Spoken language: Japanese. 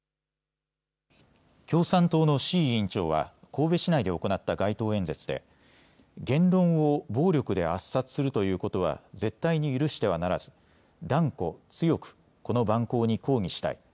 共産党の志位委員長は神戸市内で行った街頭演説で言論を暴力で圧殺するということは絶対に許してはならず断固強く、この蛮行に抗議したい。